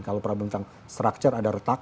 kalau prabowo tentang structure ada retak